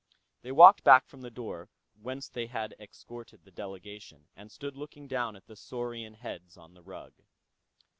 They walked back from the door, whence they had escorted the delegation, and stood looking down at the saurian heads on the rug.